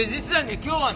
今日はね